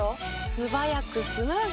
素早くスムーズ。